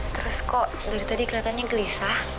terus kok dari tadi kelihatannya gelisah